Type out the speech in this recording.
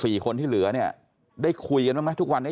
คนที่เหลือเนี่ยได้คุยกันบ้างไหมทุกวันนี้